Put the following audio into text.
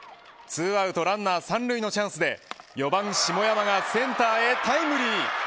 ２アウトランナー３塁のチャンスで４番、下山がセンターへタイムリー。